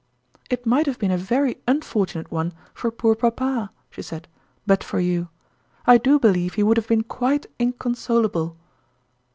" It might have been a very unfortunate one for poor papa," she said, "but for you. I do believe he would have been quite incon solable."